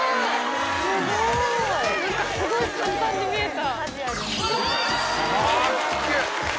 何かすごい簡単に見えた。